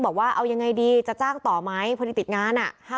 บอกว่าเอายังไงดีจะจ้างต่อไหมพอดีติดงาน